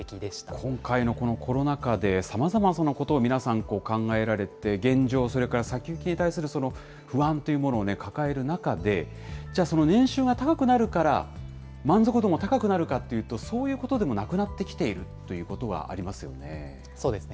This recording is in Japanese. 今回のこのコロナ禍で、さまざまなことを皆さん、考えられて、現状、それから先行きに対する不安というものを抱える中で、じゃあ、年収が高くなるから、満足度も高くなるかっていうと、そういうことでもなくなってきているということはありますよね。